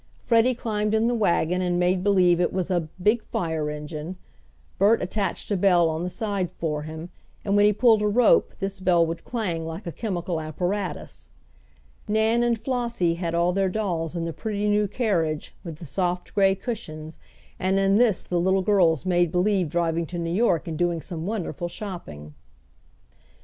Freddie climbed in the wagon and made believe it was a "big fire engine." Bert attached a bell on the side for him, and when he pulled a rope this bell would clang like a chemical apparatus. Nan and Flossie had all their dolls in the pretty new carriage with the soft gray cushions, and in this the little girls made believe driving to New York and doing some wonderful shopping.